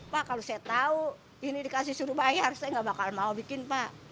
pak kalau saya tahu ini dikasih suruh bayar saya nggak bakal mau bikin pak